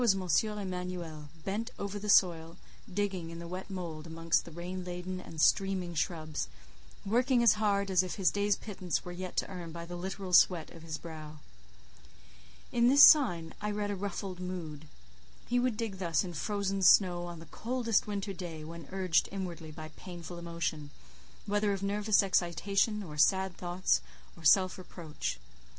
Emanuel, bent over the soil, digging in the wet mould amongst the rain laden and streaming shrubs, working as hard as if his day's pittance were yet to earn by the literal sweat of his brow. In this sign I read a ruffled mood. He would dig thus in frozen snow on the coldest winter day, when urged inwardly by painful emotion, whether of nervous excitation, or, sad thoughts of self reproach.